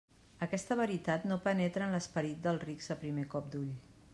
Aquesta veritat no penetra en l'esperit dels rics a primer cop d'ull.